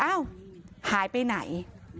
อ้าวหายไปไหน